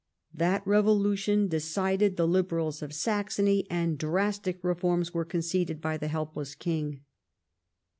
That revolution decided the Liberals of Saxony, and drastic reforms were conceded by the helpless king.